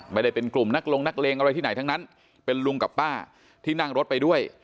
ไม่ได้เป็นกลุ่มนักลงนักเลงอะไรที่ไหนทั้งนั้นเป็นลุงกับป้าที่นั่งรถไปด้วย